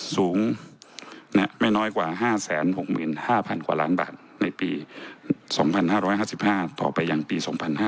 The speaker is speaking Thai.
สูงไม่น้อยกว่า๕๖๕๐๐๐บาทในปี๒๕๕๕ต่อไปอย่างปี๒๕๖๖